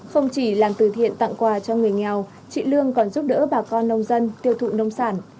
không chỉ làm từ thiện tặng quà cho người nghèo chị lương còn giúp đỡ bà con nông dân tiêu thụ nông sản